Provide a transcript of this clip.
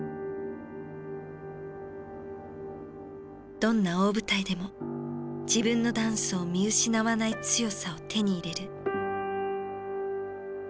どんな大舞台でも自分のダンスを見失わない強さを手に入れる。